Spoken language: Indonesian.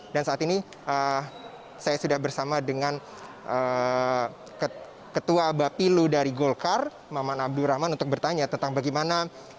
dan saat ini saya sudah bersama dengan ketua bapilu dari golkar maman abdurrahman untuk bertanya tentang bagaimana kompetensi